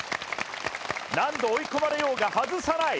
何度追い込まれようが外さない。